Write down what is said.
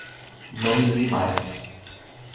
Não me ligue mais!